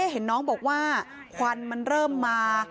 เห็นน้องบอกว่าควันมันเริ่มมา